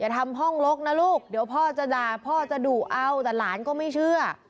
ทำห้องลกนะลูกเดี๋ยวพ่อจะด่าพ่อจะดุเอาแต่หลานก็ไม่เชื่อ